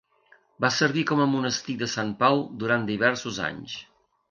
Va servir com a monestir de Sant Pau durant diversos anys.